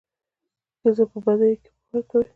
ښځي په بديو کي مه ورکوئ.